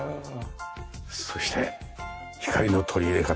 そして光の取り入れ方。